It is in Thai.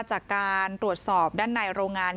จากการตรวจสอบด้านในโรงงาน